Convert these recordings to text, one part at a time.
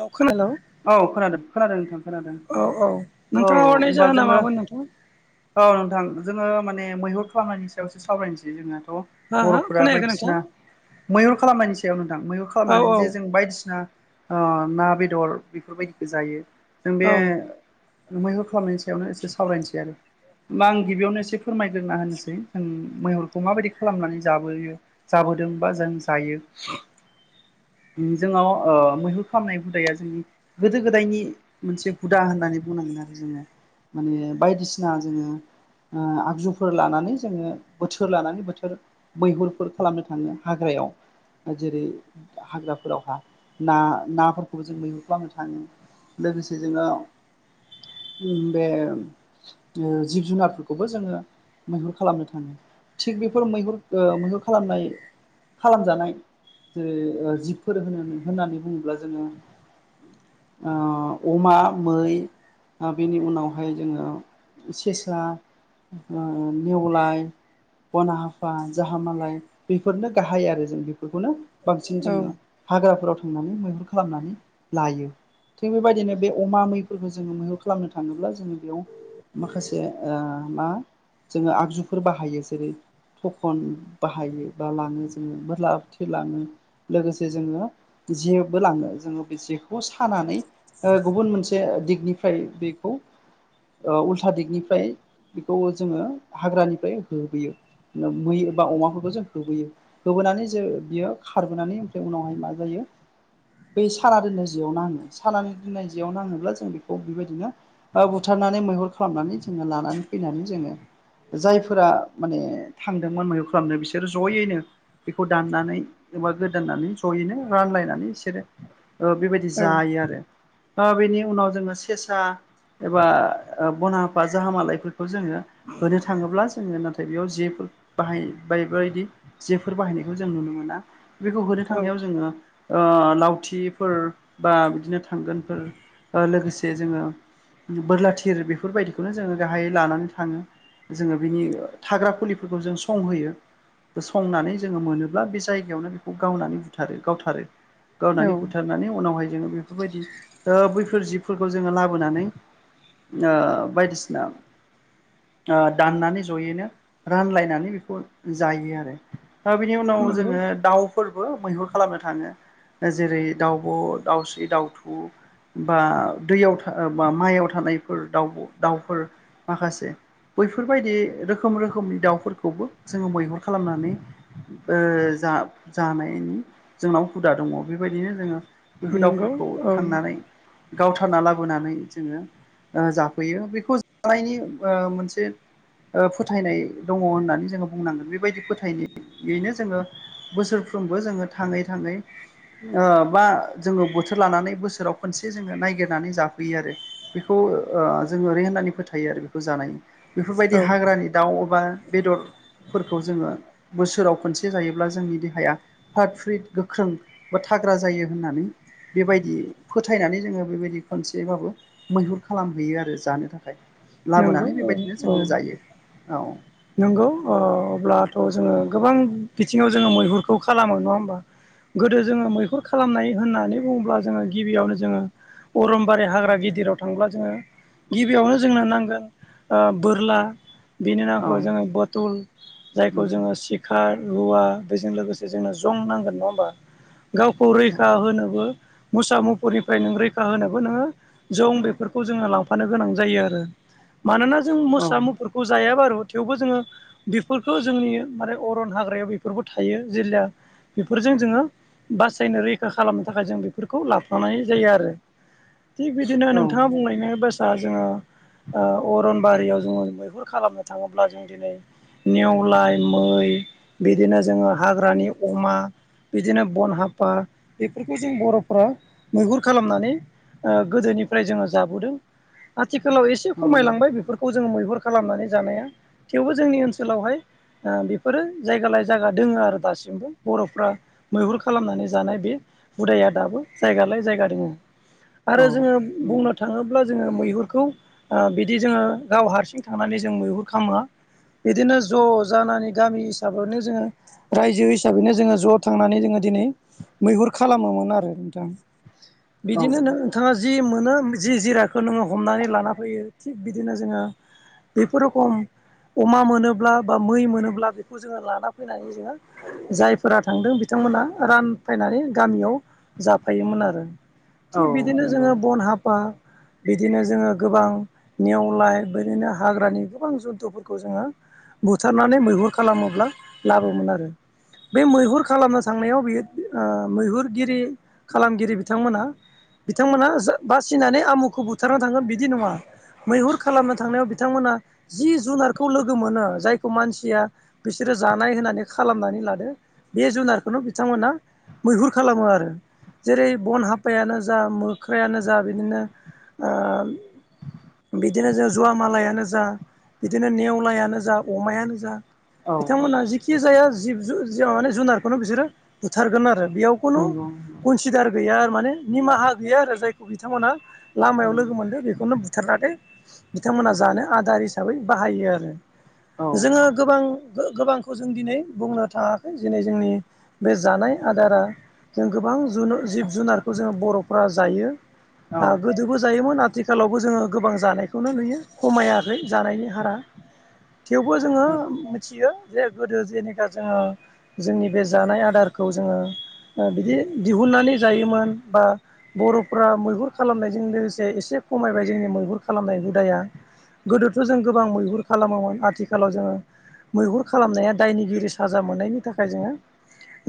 औ खोनादों औ खोनादों खोनादों नोंथां खोनादों औ औ औ नोंथाङा हरनाय होमबा जाहोना जोंङो मामोन नोंथां औ नोंथां जोंङो माने मैहुर खालामनायनि सायावसो सावरायनोसै जोंनाथ' हा हा बर'फोरा खोनायाखै बायदिसिना नोंथां मैहुर खालामनायनि सायाव नोंथां मैहुर औ खालामनानै जे जों बायदिसिना ओ ना बेदर बेफोरबायदिखौ जायो जों बे औ मैहुर खालामनायनि सायावनो एसे सावरायनोसै आरो। मा आं गिबियावनो एसे फोरमायग्रोना होनोसै जों मैहरखौ माबायदि खालामनानै जाबोयो जाबोदोंबा जों जायो जोंनाव मैहुर खामनाय हुदाया जोंनि गोदो गोदायनि मोनसे हुदा होननानै बुंनांगोन आरो जोंङो माने बायदिसिना जोंङो आगजुफोर लानानै जोंङो बोथोर लानानै बोथोर मैहुरफोर खालामनो थाङो हाग्रायाव जेरै हाग्राफोरावहा ना नाफोरखौबो जों मैगुर खालामनो थाङो लोगोसे जोंङो बे जिब जुनारफोरखौबो जोंङो मैहुर खालामनो थाङो थिग बेफोर मैहुर मैहुर खालामनाय खालामजानाय जेरै जिबफोर होनो होननानै बुङोब्ला जोंङो ओ अमा मै बेनि उनावहाय जोंङो सेसा ओ नेवलाय बना हाफा जाहा मालाय बेफोरनो गाहाय आरो जों बेफोरखौनो बांसिन औ जोंङो हाग्राफोराव थांनानै मैहुर खालामनानै लायो। थिग बेबायदिनो बे अमा मैफोरखौ जोंङो मैह खालामनो थाङोब्ला जों बेयाव माखासे मा जोंङो आगजुफोर बाहायो जेरै थखन बाहायो बा लाङो जोंङो बा लावथि लाङो लोगोसे जोंङो जेबो लाङो जोंङो बे जेखौ खानानै गुबुन मोनसे दिगनिफ्राय बेखौ उल्था दिगनिफ्राय बेखौ जोंङो हाग्रानिफ्राय होबोयो मै बा अमाफोरखौ जों होबोयो। होबोनानै जों बियो खारबोनानै ओमफ्राय उनावहाय मा जायो बै साना दोननाय जेयाव नाङो साना दोननाय जेयाव नाङोब्ला जों बेखौ बेबायदिनो बा बुथारनानै मैहुर खालामनानै जोंङो लानानै फैनानै जोंङो जायफोरा माने थांदोंमोन मैहुर खालामनो बिसोर जयैनो बेखौ दाननानै एबा गोदाननानै ज'यैनो रानलायनानै बिसोरो बेबायदि औ जायो आरो बेनि उनाव जोंङो सेसा एबा बना हफा जाह मालायफोरखौ जोंङो होनो थाङोब्ला जोङो नाथाय बेयाव जेफोर बाहाय बाय बायदि जेफोर बाहायनायखौ जों नुनो मोना बेखौ होनो थांनायाव जोङो ओ लावथिफोर बा बिदिनो थांगोनफोर लोगोसे जोंङो बोरला थिर बेफोरबायदिखौनो जोंङो गाहायै लानानै थाङो जोंङो बिनि थाग्रा खुलिफोरखौ जों संहोयो संनानै जोङो मोनोब्ला बे जायगायावनो बेखौ गावनानै बुथारो गावथारो। औ औ गावनानै बुथारनानै उनावहाय जोङो बेफोरबायदि ओ बैफोर जिबफोरखौ जोङो लाबोनानै ओ बायदिसिना ओ दाननानै जयैनो रानलायनानै बेखौ जायो आरो। हा बिनि उनाव नंगौ जोङो दाउफोरबो मैहुर खालामनो थाङो जेरै दाउब' दाउस्रि दाउथु बा दैयाव था बा माइआव थानायफोर दाउब' दाउफोर माखासे बैफोरबायदि रोखोम रोखोमनि दाउफोरखौबो जोङो मैहुर खालामनानै ओ जा जानाय जोंनाव हुदा दङ बेबायदिनो जोङो बिफोर नंगौ दावउफोरखौ औ थांनानै गावथारना लाबोनानै जोङो ओ जाफैयो बेखौ जानायनि ओ मोनसे ओ फोथायनाय दङ होननानै जोङो बुंनांगोन बेबायदि फोथायनायैनो जोङो बोसोरफ्रोमबो जोङो थाङै थाङै ओ बा जोङो बोथोर लानानै बोसोराव खनसे जोङो नायगिरनानै जाफैयो आरो। बेखौ ओ जों ओरै होननानै फोथायो आरो बेखौ जानाय बेफोरबायदि औ हाग्रानि दाउ एबा बेदरफोरखौ जोङो बोसोराव खनसे जायोब्ला जोंनि देहाया फात फ्रिट गोख्रों बा थाग्रा जायो होननानै बेबायदि फोथायनानै जोङो बेबायदि खनसेबाबो मैहुर खालामहैयो आरो जानो थाखाय नंगौ लाबोनानै बेबायदिनो जोङो जायो औ। नोंगौ ओ अब्लाथ' जोङो गोबां बिथिङाव जोङो मैहुरखौ खालामो नङा होमबा? गोदो जोङो मैहुर खालामनाय होननानै बुङोब्ला जोङो गिबियावनो जोङो अरमबारि हाग्रा गिदिराव थांब्ला जोङो गिबियावनो जोंनो नां ओ बोरला बेनि उनाव औ जों बोतुल जायखौ नंगौ जोङो सिब खार रुवा बेजों लोगोसे जोंनो जं नांगोन नङा होमबा? गावखौ रैखा होनोबो मुसा मुफुरनिफ्राय नों रैखा होनोबो नोङो जं बेफोरखौ जोङो लांफानो गोनां जायो आरो। मानोना जों औ मोसा मुुफुरखौ जायाबार' आरो थेवबो जोङो बेफोरखौ जोंनि माने अरन हाग्रायाव बेफोरबो थायो जिरजा बेफोरजों जोङो बासायनो रैखा खालामनो थाखाय जों बिफोरखौ लाफानाय जायो आरो। थिग बिदिनो औ नोंथाङा बुंलायनो बासा जोङो ओ अरनबारियाव जोङो मैहुर खालामनो थाङोब्ला जों दिनै नेवलाय मै बिदिनो जोङो हाग्रानि अमा बिदिनो बन हाफा बेफोरखौ जों बर'फ्रा मैहुर खालामनानै ओ गोदोनिफ्राय जोङो जाबोदों आथिखालाव एसे खमायलांबाय औ बेफोर खौ जोङो मैहुर खालामनानै जानाया थेवबो जोंनि ओनसोलावहाय ओ बेफोरो जायगा लायै जायगा दोङो आरो दासिमबो बर'फ्रा मैहुर खालामनानै जानाय बे हुदाया दाबो जायगा लाय जायगा दोङो। औ आरो जोङो नंगौ बुंनो थाङोब्ला जोङो मैहुरखौ ओ बिदि जोङो गाव हारसिं थांनानै जों मैहुर खामा। बिदिनो ज' जानानै गामि हिसाबावनो जोङो रायजो हिसाबैनो जोङो ज' थांनानै जोङो दिनै मैहुर खालामोमोन आरो नोंथां। बिदिनो औ नोंथाङा जि मोनो जि जिरादखौ नोङो हमनानै लाना होयो थिग बिदिनो जोङो बेफोर रोखम अमा मोनोब्ला बा मै मोनोब्ला बेखौ जोङो लाना फैनानै जोङो जायफोरा थांदों बिथांमोना रानफायनानै गामियाव जाफायोमोन आरो। औ थिग बिदिनो नंगौ जोङो बन हाफा बिदिनो जोङो गोबां नेवलाय बिदिनो हाग्रानि गोबां जुन्थुफोरखौ जोङो बुथारनानै मैहुर खालामोब्ला लाबोमोन आरो। बे मैहुर खालामनो थांनायाव बियो ओ मैहुरगिरि खालामगिरि बिथांमोना बिथांमोना बासिनानै आमुखौ बुथारना थांगोन बिदि नङा मैहुर खालामनो थांनायाव बिथांमोना जि जुनारखौ लोगो मोनो जायखौ मानसिया बिसोरो जानाय होनानै खालामनानै लादो बे जुनारखौनो बिथांमोना मैहुर खालामो आरो। जेरै बन हाफायानो जा मोख्रायानो जा बिदिनो ओ [inaudible] बिदिनो जों जुवा मालायानो जा बिदिनो नेवलायानो जा अमायानो जा औ बिथांमोनहा जिखि जाया जिब ज माने जुनारखौनो बिसोरो बुथारगोन आरो बेयाव खुनु नंगौ कनसिदार गैया माने औ निमाहा गैया आरो जाय खौ बिथांमोना औ लामायाव लोगो मोनदों बेखौ बेखौनो बुथारलाथायो बिथांमोनहा जानो आदार हिसाबै बाहायो आरो। औ जोङो गोबां गोबांखौ जों दिनै बुंनो थाङाखै दिनै जोंनि। बे जानाय आदारा जों गोबां ज जिब जुनारखौ जोंङो बर'फोरा जायो। औ गोदोबो जायोमोन आथिखाल। आथिखालावबो जोङो गोबां जानायखौनो नुयो खमायाखै जानायनि हारा थेवबो जोङो मिथियो जे गोदो जेनेखा जोङो। जोंनि बे जानाय आदारखौ जोङो बिदि दिहुननानै जायोमोन बा। बर'फोरा मैहुर खालामनायजों लोगोसे एसे खमायबाय जोंनि मैहुर खालामनाय हुदाया। गोदोथ' जों गोबां मैहुर खालामोमोन आथिखालाव जोङो। मैहुर खालामनाया दायनिगिरि साजा मोननायनि थाखाय जोङो।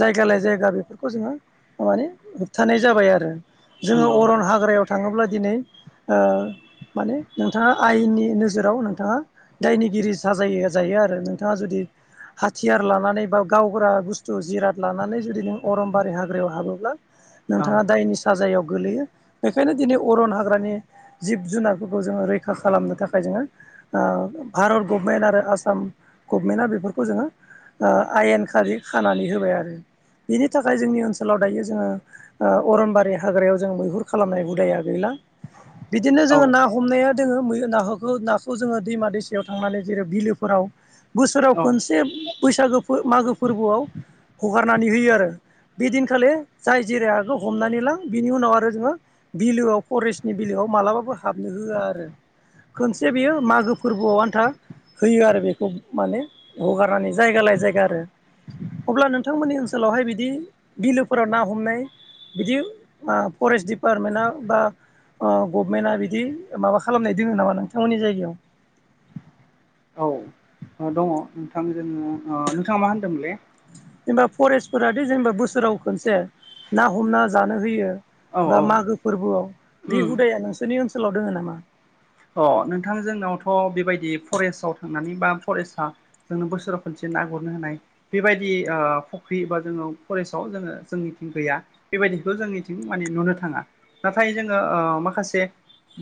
जायगा लाय जायगा बेफोरखौ जोङो माने होबथानाय जाबाय आरो। जोङो नंगौ अरन हाग्रायाव थाङोब्ला दिनै। ओ माने नोंथाङा आयेननि नोजोराव नोंथाङा। दायनिगिरि साजायो जायो आरो नोंथाङा जुदि। हाथियार लानानै बा गावग्रा बुस्थु जिराद लानानै जुदि नों अरमबारि हाग्रायाव हाबोब्ला। औ नोंथाङा दायनि साजायाव गोगलैयो बेखायनो दिनै अरन हाग्रानि। जिब जुनारफोरखौ जोङो रैखा खालामनो थाखाय जोङो। भारत गभमेन्ट आरो आसाम गभमेन्टआ बेफोरखौ जोङो। आयेन खारि खानानै होबाय आरो बिनि थाखाय जोंनि ओनसोलाव दायो जोङो। ओ अरनबारि हाग्रायाव जों मैहुर खालामनाय हुदाया गैला बिदिनो जोङो औ ना। हमनाया दोङो मै ना नाखौ जोङो दैमा दैसायाव थांनानै जेरै बिलोफोराव बोसोराव औ खनसे बैसागो मागो फोरबोआव हगारनानै होयो आरो। बेदिनखालि जाय जिराय हखौ हमनानै लाां बिनि उनाव आरो जोङो। बिलोआव फरेस्टनि बिलोआव मालाबाबो हाबनो होआ आरो। खनसे बेयो मागो फोरबोआव आन्था होयो आरो बेखौ माने हगारनानै जायगा लाय जायगा आरो। अब्ला नोंथांमोननि ओनसोलावहाय बिदि बिलोफोराव ना हमनाय। बिदि फरेस्ट दिडपार्टमेन्टआ बा। गभमेन्टआ बिदि माबा खालामनाय दङो नामा नोंथांमोननि जायगायाव औ दङ नोंथां जोङो नोंथाङा मा होनदोंमोनलै जेनेबा फरेस्टफोराादि जेनेबा बोसोराव खनसे ना हमना जानो होयो। औ बा औ मागो फोरबोआव बे उम हुदाया नोंसोरनि ओनसोलाव दोङ नामा। अ नोंथां जोंनावथ' बेबायदि फरेस्टआव थांनानै बा फरेस्टआ जोंनो बोसोराव खनसे ना गुरनो होनाय बेबायदि फख्रि बा जोङो फरेस्टआव जोङो जोंनिथिं गैया। बेबायदिखौ जोंनिथिं माने नुनो थाङा। नाथाय जोङो माखासे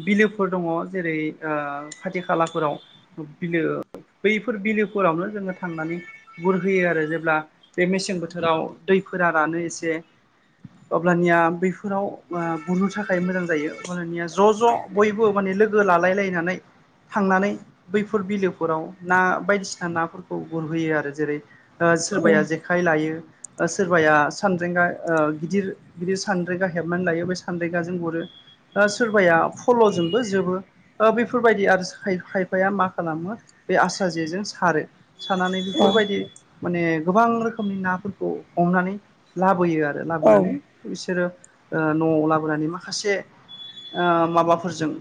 बिलोफोर दङ जेरै खाथि खालाफोराव बिलो बैफोर बिलोफोरावनो जोङो थांनानै गुरहोयो आरो जेब्ला बे मेसें बोथोराव दै फोरा रानो एसे‌ अब्लानिया बेफोराव गुरनो थाखाय मोजां जायो अब्लानिया ज' ज' बयबो माने लोगो। लोगो लालाय लायनानै थांनानै बैफोर बिलोफोराव ना बायदिसिना नाफोरखौ गुरहैयो। आरो जेरै औ सोरबाया जेखाइ लायो सोरबाया सानदांगा ओ गिदिर। बिदि सानद्रेगा हेबनानै लायो बे सानद्रेगाजों गुरो सोरबाया फल'जोंबो जोबो। ओ बेफोरबायदि आरो खायफाया मा खालामो बे आसरा जेजों सारो। सानानै औ बेफोरबायदि माने गोबां रोखोमनि नाफोरखौ हमनानै लाबोयो आरो औ लाबोनानै। बिसोरो ओ न'आव लाबोनानै माखासे ओ माबाफोरजों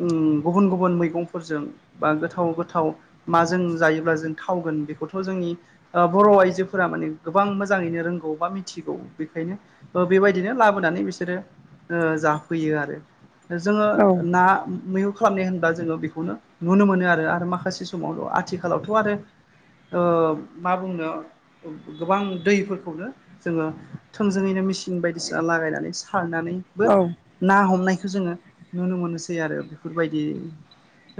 उम गुबुन गुबुन मैगंफोरजों। बा गोथाव गोथाव माजों जायोब्ला जों थावगोन बेखौथ' जोंनि ओ बर' आइजोफोरा माने गोबां मोजाङैनो रोंगौ बा मिथिगौ बेखायनो ओ बेबायदिनो लाबोनानै बिसोरो ओ जाफैयो आरो जोङो ना मैहुर खालामनाय होनब्ला जोङो बेखौनो नुनो मोनोआरो आरो माखासे समावल' आथिखालावथ' आरो ओ मा बुंनो गोबां दैफोरखौनो जोङो थोंजोङैनो मेचिन बायदिसिना लागायनानै सारनानै बो औ ना हमनायखौ जोङो नुनो मोनोसै आरो बेफोरबायदि।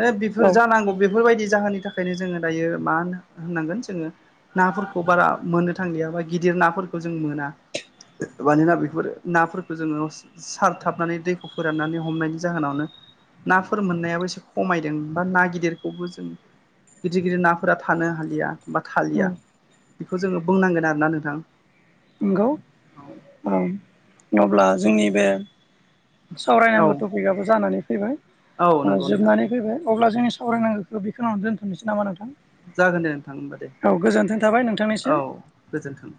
ओ औ बेफोर जानांगौ बेफोरबायदि जाहोननि थाखायनो जोङो दायो मा होनो होननांगोन जोङो नाफोरखौ बारा मोननो थांलिया बा गिदिर नाफोरखौ जों मोना । मानोना बेफोर नाफोरखौ जोङो सारथाबनानै दैखौ फोराननानै हमनायनि जाहोनावनो नाफोर मोननायाबो एसे खमायदों। बा ना गिदिरखौबो जों गिदिर गिदिर नाफोरा थानो हालिया बा औ थालिया । बेखौ जोङो बुंनांगोन आरो ना नोंथां। नंगौ औ अब्ला जोंनि बे औ सावरायनांगौ टपिकआबो जानानै फैबाय औ ओ नंगौ नोंथां जोबनानै फैबाय। अब्ला जोंनि सावरायनांगौखौ बेखौ होनावनो दोनथ'नोसै नामा नोंथां? जागोन दे नोंथां होमबा दे औ गोजोनाय थाबाय औ नोंथांनिसिम । गोजोन्थों।